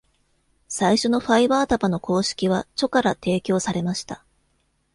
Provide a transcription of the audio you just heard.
最初のファイバー束の公式はチョから提供されました。